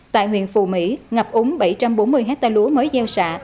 tại huyện phù mỹ ngập úng bảy trăm bốn mươi hectare lúa mới gieo xạ